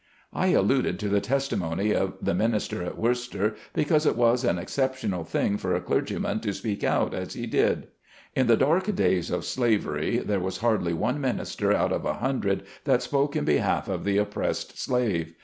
I alluded to the testimony of the minister at Wor cester, because it was an exceptional thing for a IN MANY FIELDS. 119 clergyman to speak out as he did. In the dark days of slavery there was hardly one minister out of a hundred that spoke in behalf of the oppressed slave.